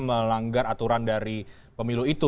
melanggar aturan dari pemilu itu